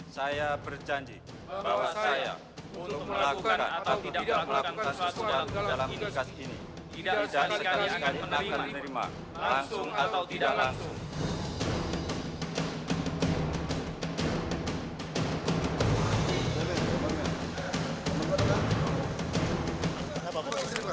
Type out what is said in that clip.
saya berjanji bahwa saya untuk melakukan atau tidak melakukan sesuatu dalam lingkas ini tidak berjalan sekali akan menerima langsung atau tidak langsung